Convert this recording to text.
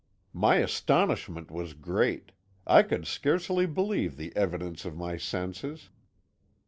My astonishment was great; I could scarcely believe the evidence of my senses.